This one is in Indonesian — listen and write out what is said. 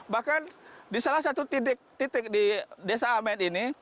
bahkan di salah satu titik titik di desa amed ini